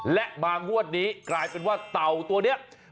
และมางวดนี้กลายเป็นว่าเต่าตัวนี้